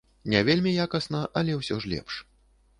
Не вельмі якасна, але ўсё ж лепш.